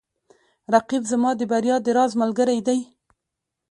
رقیب زما د بریا د راز ملګری دی